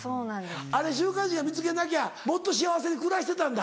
あれ週刊誌が見つけなきゃもっと幸せに暮らしてたんだ？